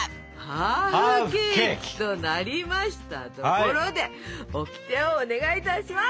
ハーフケーキとなりましたところでオキテをお願いいたします！